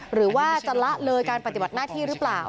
หรือว่าจะละเลยการปฏิบัติหน้าที่หรือเปล่า